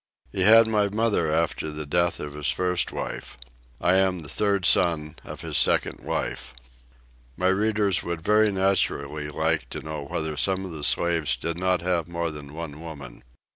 He had my mother after the death of his first wife. I am the third son of his second wife. My readers would very naturally like to know whether some of the slaves did not have more than one woman.